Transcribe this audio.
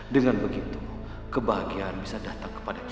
dengan begitu kebahagiaan bisa datang kepada kita